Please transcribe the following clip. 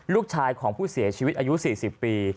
ลูกชายของผู้เสียชีวิตอายุ๔๐ปี